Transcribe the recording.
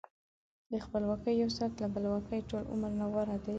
د خپلواکۍ یو ساعت له بلواکۍ ټول عمر نه غوره دی.